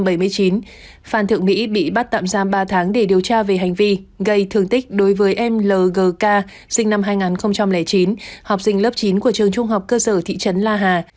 phan thượng mỹ bị bắt tạm giam ba tháng để điều tra về hành vi gây thương tích đối với em lgk sinh năm hai nghìn chín học sinh lớp chín của trường trung học cơ sở thị trấn la hà